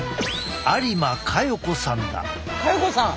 嘉代子さん。